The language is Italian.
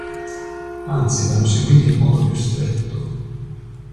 Anzi vanno seguiti in modo più stretto.